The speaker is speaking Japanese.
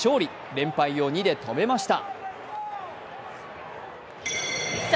連敗を２で止めました。